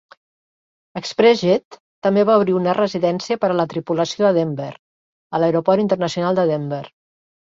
ExpressJet també va obrir una residència per a la tripulació a Denver, a l'aeroport internacional de Denver.